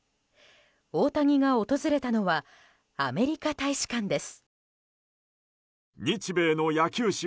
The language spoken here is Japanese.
大谷が訪れたのはアメリカ大使館です。